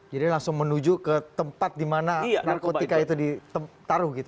jadi langsung menuju ke tempat di mana narkotika itu ditaruh gitu